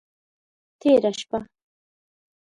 تیره شپه…